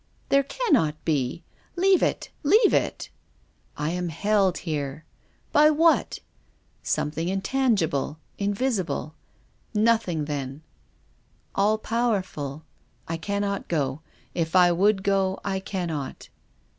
*' There cannot be. Leave it ! Leave it !"" I am held here." " By what ?"" Something intangible, invisible —"" Nothing, then." "All powerful. I cannot go. If I would go, I cannot.